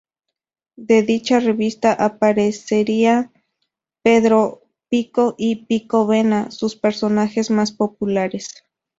En dicha revista aparecerían ""Pedro Pico y Pico Vena"", sus personajes más populares.